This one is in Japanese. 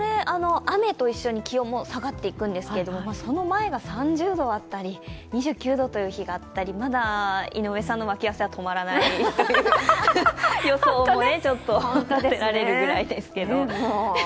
雨と一緒に気温も下がっていくんですがその前が３０度あったり２９度という日があったりまだ井上さんの脇汗は止まらない予想もね立てられるぐらいですけど。